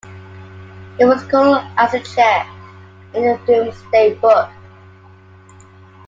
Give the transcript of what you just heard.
It was called Asechirce in the Domesday Book.